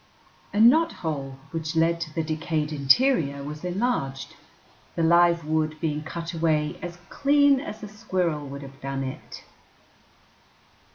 A knot hole which led to the decayed interior was enlarged, the live wood being cut away as clean as a squirrel would have done it.